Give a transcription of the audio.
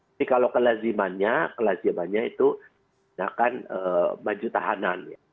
tapi kalau kelazimannya kelazimannya itu akan maju tahanan